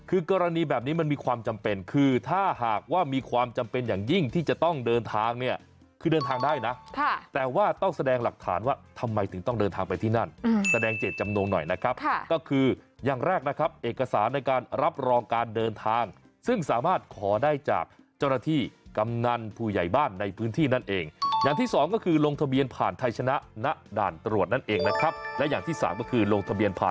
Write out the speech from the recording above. คือกรณีแบบนี้มันมีความจำเป็นคือถ้าหากว่ามีความจำเป็นอย่างยิ่งที่จะต้องเดินทางเนี่ยคือเดินทางได้นะแต่ว่าต้องแสดงหลักฐานว่าทำไมถึงต้องเดินทางไปที่นั่นแสดงเจตจำนวงหน่อยนะครับก็คือยังแรกนะครับเอกสารในการรับรองการเดินทางซึ่งสามารถขอได้จากเจ้าหน้าที่กำนันผู้ใหญ่บ้านในพื้นที่นั่นเอง